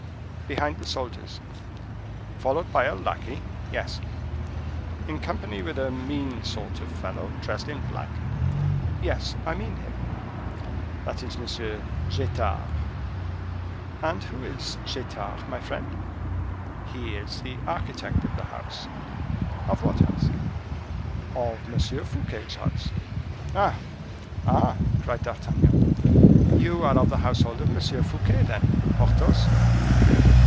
"Behind the soldiers." "Followed by a lackey?" "Exactly." "In company with a mean sort of fellow, dressed in black?" "Yes, I mean him." "That is M. Getard." "And who is Getard, my friend?" "He is the architect of the house." "Of what house?" "Of M. Fouquet's house." "Ah! ah!" cried D'Artagnan, "you are of the household of M. Fouquet, then, Porthos?"